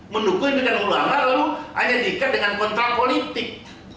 mendukung yang bukan ulama lalu hanya diikat dengan kontra politik